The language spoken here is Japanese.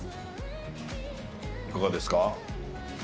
いかがですか？